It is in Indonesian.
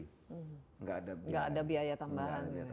enggak ada biaya tambahan